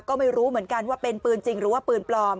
ก็ไม่รู้เหมือนกันว่าเป็นปืนจริงหรือว่าปืนปลอม